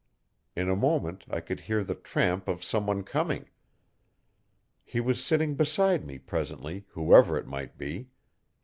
In a moment I could hear the tramp of someone coming. He was sitting beside me presently, whoever it might be.